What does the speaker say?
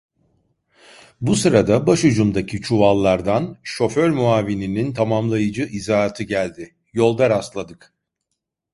Bu sırada başucumdaki çuvallardan şoför muavininin tamamlayıcı izahatı geldi: "Yolda rastladık…"